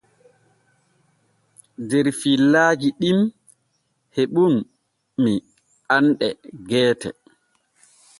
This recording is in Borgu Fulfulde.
Der fillajiɗin heɓuni anɗe geete.